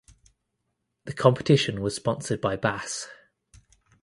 The competition was sponsored by Bass.